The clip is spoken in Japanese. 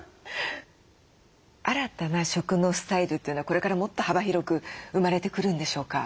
新たな食のスタイルというのはこれからもっと幅広く生まれてくるんでしょうか？